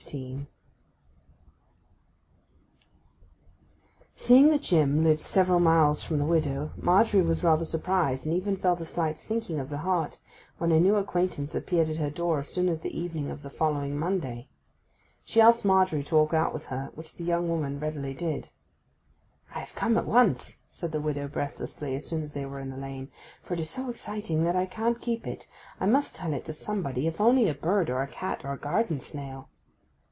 Seeing that Jim lived several miles from the widow, Margery was rather surprised, and even felt a slight sinking of the heart, when her new acquaintance appeared at her door so soon as the evening of the following Monday. She asked Margery to walk out with her, which the young woman readily did. 'I am come at once,' said the widow breathlessly, as soon as they were in the lane, 'for it is so exciting that I can't keep it. I must tell it to somebody, if only a bird, or a cat, or a garden snail.